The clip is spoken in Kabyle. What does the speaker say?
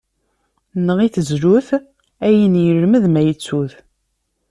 Neɣ-it, zlu-t, ayen ilmed, ma ittu-t.